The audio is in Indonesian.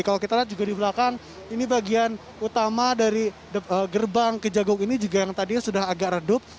kalau kita lihat juga di belakang ini bagian utama dari gerbang ke jagung ini juga yang tadinya sudah agak redup